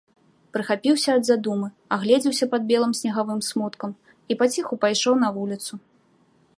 Прахапіўся ад задумы, агледзеўся пад белым снегавым смуткам і паціху пайшоў на вуліцу.